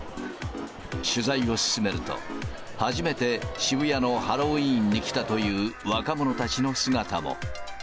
取材を進めると、初めて渋谷のハロウィーンに来たという若者たちの姿も。